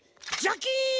ジャキン！